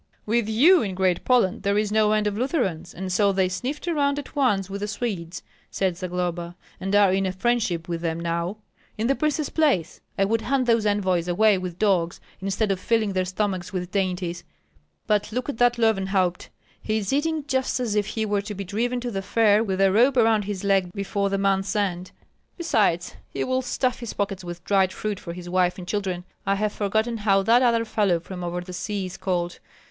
"With you in Great Poland there is no end of Lutherans, and so they sniffed around at once with the Swedes," said Zagloba, "and are in friendship with them now. In the prince's place, I would hunt those envoys away with dogs, instead of filling their stomachs with dainties. But look at that Löwenhaupt; he is eating just as if he were to be driven to the fair with a rope around his leg before the month's end. Besides, he will stuff his pockets with dried fruit for his wife and children. I have forgotten how that other fellow from over the sea is called.